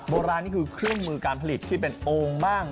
โบราณนี่คือเครื่องมือการผลิตที่เป็นโอ่งบ้าง